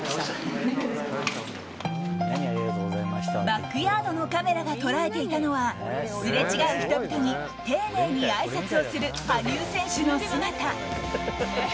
バックヤードのカメラが捉えていたのはすれ違う人々に丁寧にあいさつをする羽生選手の姿。